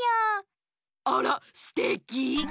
あらすてき！